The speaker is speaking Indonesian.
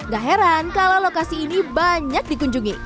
gak heran kalau lokasi ini banyak dikunjungi